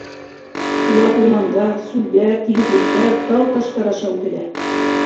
Улар урмандар, сүлдәр, тигеҙлектәр, тау-таштар аша үтәләр.